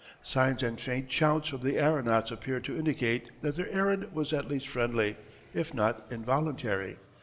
Signs and faint shouts from the aeronauts appeared to indicate that their errand was at least friendly, if not involuntary.